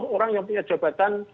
sepuluh orang yang punya jawabatan